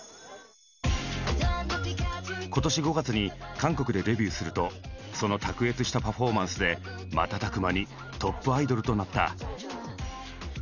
今年５月に韓国でデビューするとその卓越したパフォーマンスで瞬く間にトップアイドルとなった。